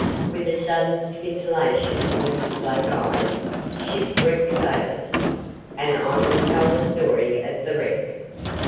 with a sudden scintillation from his black eyes 'shipwrecked sailors; and I will tell the story of the wreck.